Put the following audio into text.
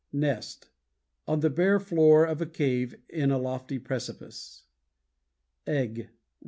NEST On the bare floor of a cave in a lofty precipice. EGG One.